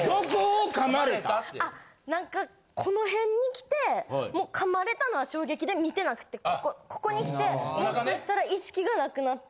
あ何かこの辺に来てもう噛まれたのは衝撃で見てなくってここここに来てもうそしたら意識がなくなって。